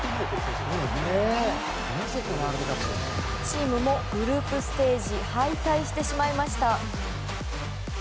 チームもグループステージ敗退してしまいました。